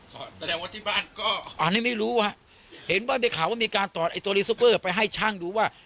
แต่ว่าที่บ้านก็อันนี้ไม่รู้ฮะเห็นว่าได้ข่าวว่ามีการถอดไอ้ตัวรีซูเปอร์ไปให้ช่างดูว่า